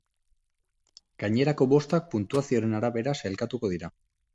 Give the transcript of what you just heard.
Gainerako bostak puntuazinoaren arabera sailkatu dira.